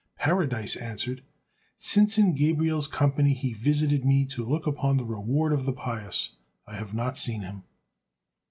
Paradise answered, "Since in Gabriel's company he visited me to look upon the reward of the pious, I have not seen him."